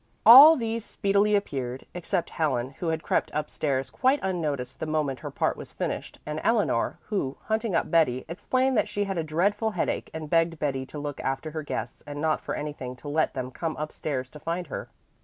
All these speedily appeared, except Helen, who had crept up stairs quite unnoticed the moment her part was finished, and Eleanor, who, hunting up Betty, explained that she had a dreadful headache and begged Betty to look after her guests and not for anything to let them come up stairs to find her.